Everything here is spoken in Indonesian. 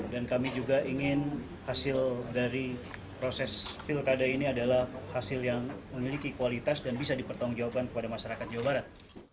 dan kami juga ingin hasil dari proses pilkada ini adalah hasil yang memiliki kualitas dan bisa dipertanggungjawabkan kepada masyarakat jawa barat